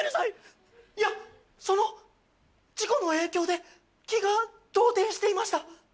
いやその事故の影響で気が動転していました。